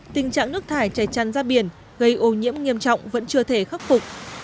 tình trạng nước thải chảy tràn ra biển gây ô nhiễm nghiêm trọng vẫn chưa thể khắc phục